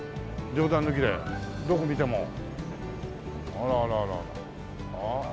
あらあらあらあらああ。